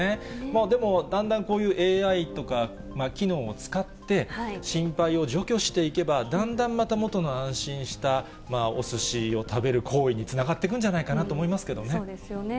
でも、だんだんこういうＡＩとか、機能を使って、心配を除去していけば、だんだんまた元の安心したおすしを食べる行為につながっていくんそうですよね。